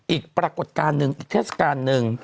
อีกปรากฏการณ์หนึ่งอีกท่าสการณ์หนึ่ง